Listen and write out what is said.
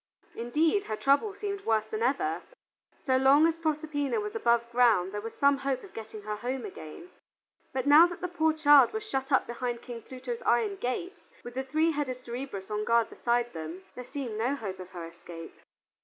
Indeed, her trouble seemed worse than ever. So long as Proserpina was above ground there was some hope of getting her home again. But now that the poor child was shut up behind King Pluto's iron gates, with the three headed Cerberus on guard beside them, there seemed no hope of her escape.